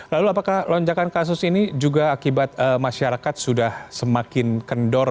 lalu apakah lonjakan kasus ini juga akibat masyarakat sudah semakin kendor